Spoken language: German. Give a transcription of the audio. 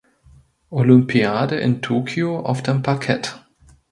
Olympiade in Tokio auf dem Parkett.